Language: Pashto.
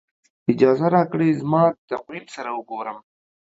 اجازه راکړئ زما د تقویم سره وګورم.